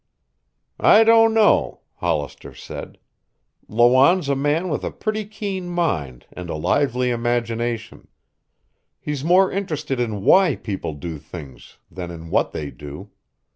"I don't know," Hollister said. "Lawanne's a man with a pretty keen mind and a lively imagination. He's more interested in why people do things than in what they do.